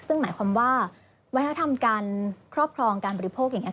ซึ่งหมายความว่าวัฒนธรรมการครอบครองการบริโภคอย่างนี้